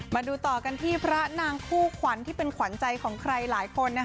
มาดูต่อกันที่พระนางคู่ขวัญที่เป็นขวัญใจของใครหลายคน